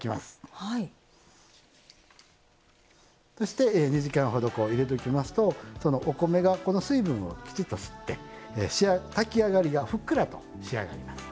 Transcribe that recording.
そして２時間ほど入れときますとお米がこの水分をきちっと吸って炊き上がりがふっくらと仕上がります。